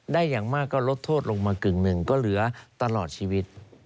อย่างมากก็ลดโทษลงมากึ่งหนึ่งก็เหลือตลอดชีวิต